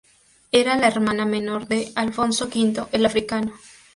Era la hermana menor de Alfonso V el Africano.